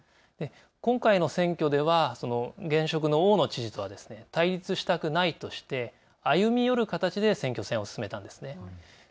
今回の選挙では現職の大野知事とは対立したくないとして歩み寄る形で選挙戦を進めたんですね。